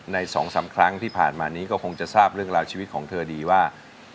๒๓ครั้งที่ผ่านมานี้ก็คงจะทราบเรื่องราวชีวิตของเธอดีว่า